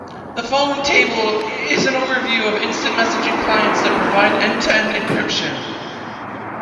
The following table is an overview of instant messaging clients that provide end-to-end encryption.